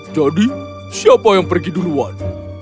jadi siapa yang pergi duluan